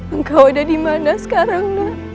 engkau ada dimana sekarang